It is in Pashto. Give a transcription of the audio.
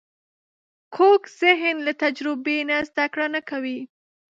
کوږ ذهن له تجربې نه زده کړه نه کوي